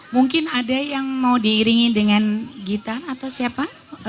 mungkin ada yang mau diiringi dengan gitar atau siapa